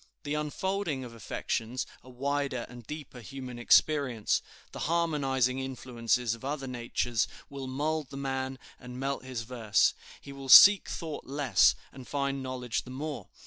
"The unfolding of affections, a wider and deeper human experience, the harmonizing influences of other natures, will mould the man and melt his verse. He will seek thought less and find knowledge the more.